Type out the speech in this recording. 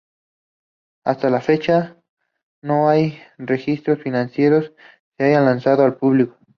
Hasta la fecha, no hay registros financieros se hayan lanzado al público.